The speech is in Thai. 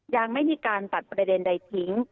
ยังไม่มีการตัดประเด็นใดทิ้ง